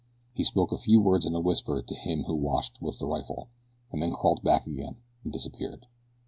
He spoke a few words in a whisper to him who watched with the rifle, and then crawled back again and disappeared.